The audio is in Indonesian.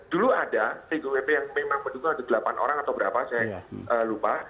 dulu ada tgupp yang memang mendukung ada delapan orang atau berapa saya lupa